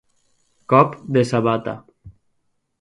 Cop de sabata.